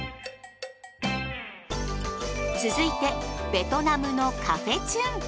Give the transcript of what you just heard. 続いてベトナムのカフェチュン。